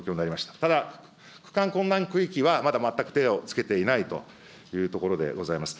ただ、帰還困難区域はまだ全く手をつけていないというところでございます。